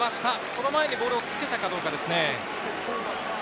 その前にボールをつけたか、どうかですね。